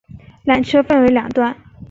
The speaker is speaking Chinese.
缆车分成两段